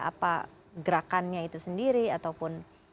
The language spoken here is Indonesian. apa gerakannya itu sendiri ataupun